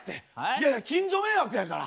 いやいや近所迷惑やから。